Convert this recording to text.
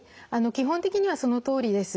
基本的にはそのとおりです。